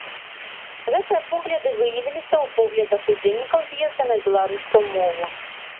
Гэтыя погляды выявіліся ў поглядах удзельнікаў з'езда на беларускую мову.